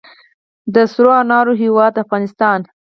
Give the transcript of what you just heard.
د سرو انارو هیواد افغانستان.